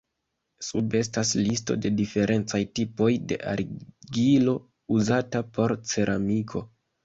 Sube estas listo de diferencaj tipoj de argilo uzata por ceramiko.